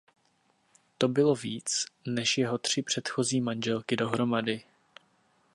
To bylo víc než jeho tři předchozí manželky dohromady.